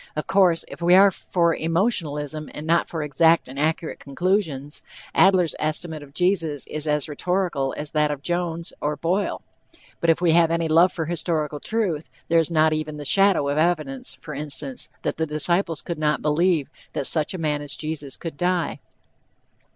Of course, if we are for emotionalism and not for exact and accurate conclusions, Adler's estimate of Jesus is as rhetorical as that of Jones or Boyle, but if we have any love for historical truth, there is not even the shadow of evidence, for instance, that the disciples could not believe "that such a man as Jesus could die."